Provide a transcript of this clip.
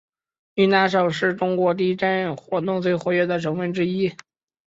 云南省是中国地震活动最活跃的省份之一。